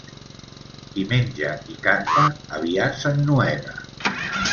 Qui menja i canta, aviat s'ennuega.